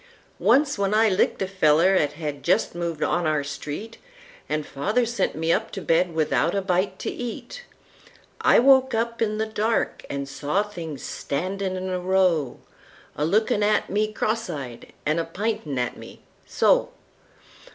Once, when I licked a feller 'at had just moved on our street, An' father sent me up to bed without a bite to eat,I woke up in the dark an saw things standin' in a row,A lookin' at me cross eyed an' p'intin' at me—so!